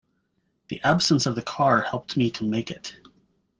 The absence of the car helped me to make it.